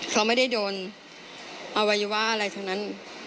เขาไม่ได้โดนอวัยวะอะไรทั้งนั้น